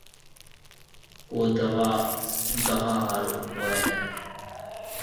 ڪو دوا گاها هارون هوئي هيَ۔